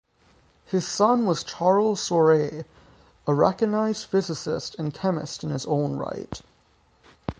His son was Charles Soret, a recognized physicist and chemist in his own right.